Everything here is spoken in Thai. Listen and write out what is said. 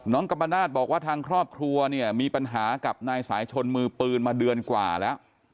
กัมปนาศบอกว่าทางครอบครัวเนี่ยมีปัญหากับนายสายชนมือปืนมาเดือนกว่าแล้ว